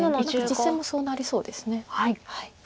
実戦もそうなりそうです。